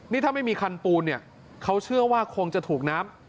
นี่ถ้าไม่มีคันปูนเนี่ยเขาเชื่อว่าคงจะถูกน้ำ